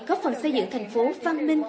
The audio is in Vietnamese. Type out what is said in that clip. có phần xây dựng thành phố văn minh